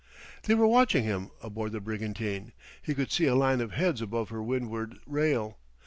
They were watching him, aboard the brigantine; he could see a line of heads above her windward rail.